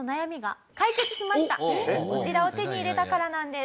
こちらを手に入れたからなんです。